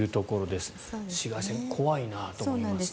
紫外線、怖いなと思いますね。